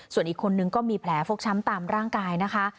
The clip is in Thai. ส่วนอีกคนนึงก็มีแผลฟกช้ำตามร่างกายนะคะ